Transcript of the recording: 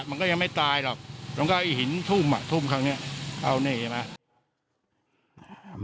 มันก็ยังไม่ตายหรอกแล้วก็เอาอีกหินทุ่มทุ่มครั้งนี้เข้านี่เห็นไหม